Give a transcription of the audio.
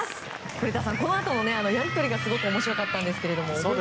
古田さん、このあとのやりとりがすごく面白かったんですけれども。